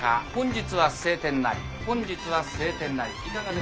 本日は晴天なり。